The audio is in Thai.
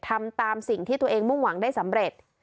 ทำตามสิ่งที่ตัวเองมุ่งหวังได้สำเร็จ